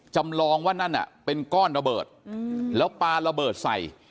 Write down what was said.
จำลองว่านั่นน่ะเป็นก้อนระเบิดแล้วปลาระเบิดใส่